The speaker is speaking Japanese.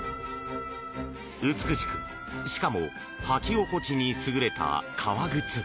美しく、しかも履き心地に優れた革靴。